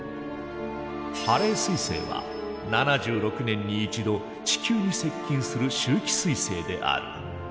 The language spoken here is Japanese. ハレー彗星は７６年に一度地球に接近する周期彗星である。